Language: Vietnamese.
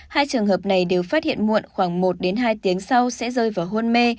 hai trường hợp này đều phát hiện muộn khoảng một đến hai tiếng sau sẽ rơi vào hôn mê